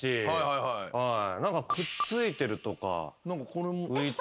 何かくっついてるとか。